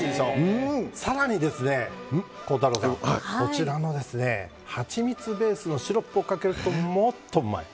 更にこちらのハチミツベースのシロップをかけるともっとうまい。